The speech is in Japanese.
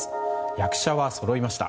役者はそろいました。